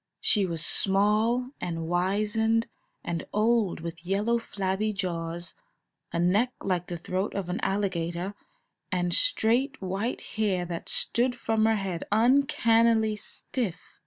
She was small and wizened and old, with yellow, flabby jaws, a neck like the throat of an alligator, and straight, white hair that stood from her head uncannily stiff.